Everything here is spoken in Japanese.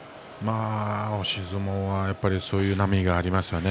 押し相撲はそういう波がありますよね。。